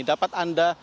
jadi dapat anda